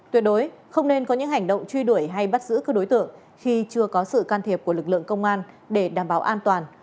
tuyệt đối không nên có những hành động truy đuổi hay bắt giữ các đối tượng khi chưa có sự can thiệp của lực lượng công an để đảm bảo an toàn